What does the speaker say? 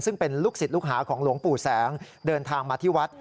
ซึ่งเป็นลูกศิษย์ลูกหาของหลวงปู่แสงเดินทางมาที่วัด